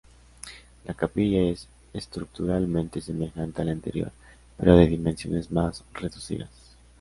La Capilla es estructuralmente semejante al anterior, pero de dimensiones más reducidas.